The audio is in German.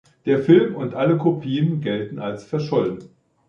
Der Film und alle Kopien gelten als verschollen.